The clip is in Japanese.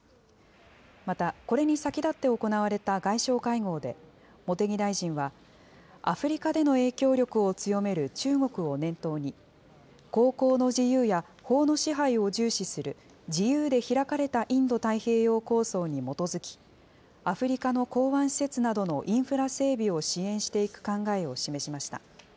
またこれに先立って行われた外相会合で茂木大臣は、アフリカでの影響力を強める中国を念頭に、航行の自由や法の支配を重視する自由で開かれたインド太平洋構想に基づき、アフリカの港湾施設などのインフラ整備を支援していく考えを示しました。